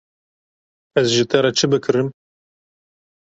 Ez ji te re çi bikirim.